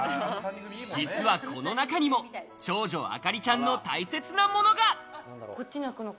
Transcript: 実はこの中にも長女・あかりちゃんの大切なものが。